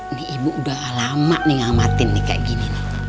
ini ibu udah lama nih ngamatin nih kayak gini